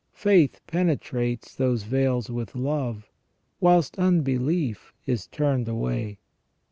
Faith penetrates those veils with love, whilst unbelief is turned away.